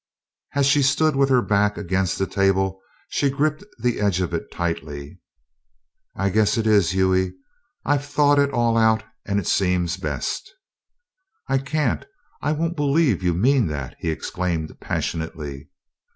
As she stood with her back against the table she gripped the edge of it tightly. "I guess it is, Hughie. I've thought it all out and it seems best." "I can't I won't believe you mean that!" he exclaimed, passionately.